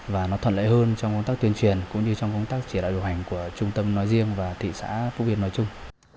và nó thuận lợi hơn trong công tác tuyên truyền cũng như trong công tác chỉ đạo điều hành của trung tâm nói riêng và thị xã phúc yên nói chung